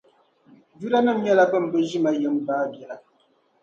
Judanim’ nyɛla bɛn bi ʒe ma yim baabiɛla.